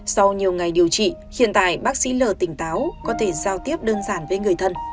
sau nhiều ngày điều trị hiện tại bác sĩ l tỉnh táo có thể giao tiếp đơn giản với người thân